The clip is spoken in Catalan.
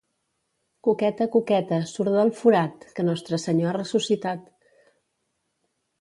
Cuqueta, cuqueta, surt del forat, que Nostre Senyor ha ressuscitat.